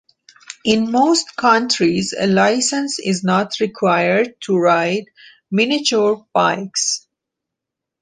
In most countries, a licence is not required to ride miniature bikes.